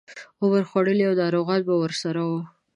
عمر خوړلي او ناروغان به ورسره وو.